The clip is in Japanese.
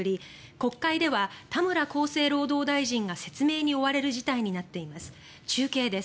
国会では田村厚生労働大臣が説明に追われる事態になっています。